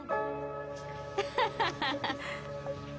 アハハハッ！